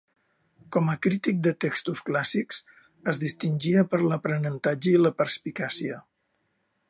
Com a crític de textos clàssics, es distingia per l'aprenentatge i la perspicàcia.